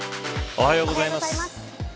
おはようございます。